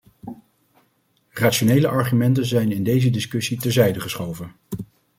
Rationele argumenten zijn in deze discussie terzijde geschoven.